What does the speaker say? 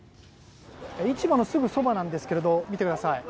市場のすぐそばなんですが見てください。